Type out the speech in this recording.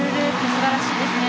素晴らしいですね。